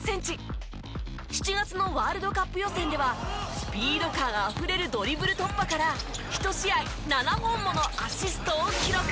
７月のワールドカップ予選ではスピード感あふれるドリブル突破から１試合７本ものアシストを記録！